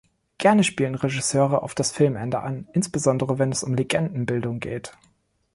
Gerne spielen Regisseure auf das Filmende an, insbesondere wenn es um Legendenbildung geht.